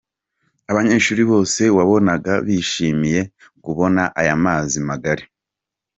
Abanyeshuri bose wabonaga bishimiye kubona ayo mazi magari.